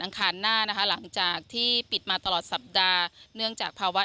คารหน้านะคะหลังจากที่ปิดมาตลอดสัปดาห์เนื่องจากภาวะ